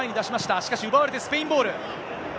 しかし、奪われてスペインボール。